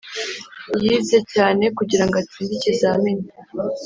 yize cyane kugirango atsinde ikizamini.